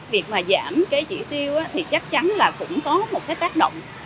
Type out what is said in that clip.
việc mà giảm cái chỉ tiêu thì chắc chắn là cũng có một cái tác động